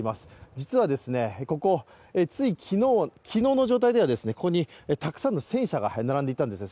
実はここ、つい昨日の状態ではここにたくさんの戦車が並んでいたんですね。